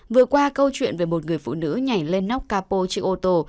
vừa qua câu chuyện về một người phụ nữ nhảy lên nóc capo trên ô tô